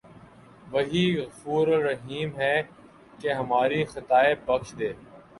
وہی غفورالرحیم ہے کہ ہماری خطائیں بخش دے